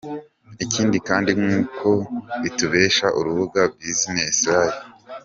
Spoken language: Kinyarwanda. Ikindi kandi nk’uko tubikesha urubuga businesslive.